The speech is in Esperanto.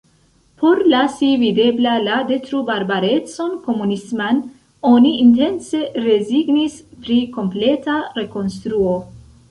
Por lasi videbla la detrubarbarecon komunisman oni intence rezignis pri kompleta rekonstruo.